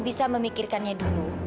dia bicara apa